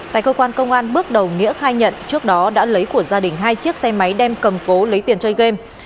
tại cơ quan công an bước đầu nghĩa khai nhận trước đó đã lấy của gia đình hai chiếc xe máy đem cầm cố lấy tiền chơi game